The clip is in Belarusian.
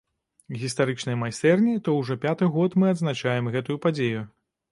Гістарычнай майстэрні, то ўжо пяты год мы адзначаем гэтую падзею.